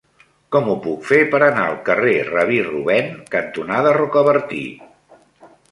Com ho puc fer per anar al carrer Rabí Rubèn cantonada Rocabertí?